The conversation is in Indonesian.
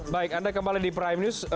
baik anda kembali di prime news